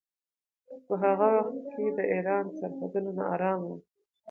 په هغه وخت کې د ایران سرحدونه ناارامه وو.